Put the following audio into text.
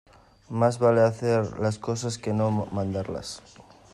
Más vale hacer las cosas que no mandarlas.